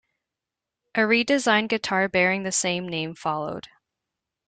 A redesigned guitar bearing the same name followed.